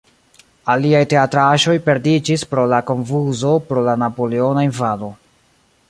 Aliaj teatraĵoj perdiĝis pro la konfuzo pro la napoleona invado.